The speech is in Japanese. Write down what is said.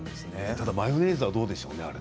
ただマヨネーズはどうでしょうね。